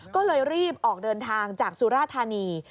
ก็เลยรีบออกเดินทางจากสุราธานี